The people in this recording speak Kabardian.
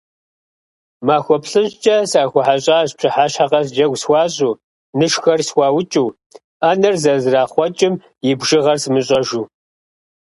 Махуэ плӀыщӀкӀэ сахуэхьэщӀащ, пщыхьэщхьэ къэс джэгу схуащӀу, нышхэр схуаукӀыу, Ӏэнэр зэрызэрахъуэкӏым и бжыгъэр сымыщӏэжу.